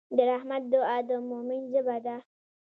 د رحمت دعا د مؤمن ژبه ده.